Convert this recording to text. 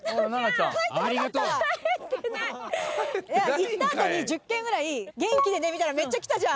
行った後に１０件ぐらい「元気でね」みたいなめっちゃきたじゃん。